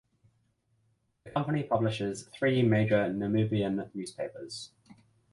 The company publishes three major Namibian newspapers.